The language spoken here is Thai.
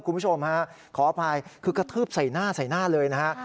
คุณผู้ชมฮะขออภัยคือกระทืบใส่หน้าใส่หน้าเลยนะฮะ